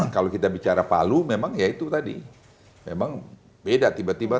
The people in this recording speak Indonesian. kalau kita bicara palu memang ya itu tadi memang beda tiba tiba